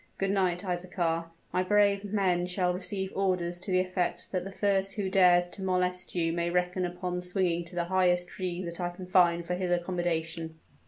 Good night, Isaachar; my brave men shall receive orders to the effect that the first who dares to molest you may reckon upon swinging to the highest tree that I can find for his accommodation."